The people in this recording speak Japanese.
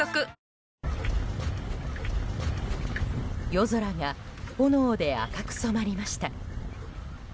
夜空が炎で赤く染まりました。